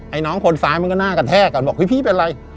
ไอ้น้องคนซ้ายมันก็หน้ากระแทกก่อนบอกพี่เป็นไร